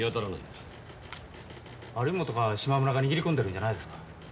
有本か島村が握り込んでるんじゃないですか？